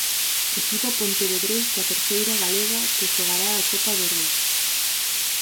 Equipo pontevedrés da Terceira galega que xogará a Copa do Rei.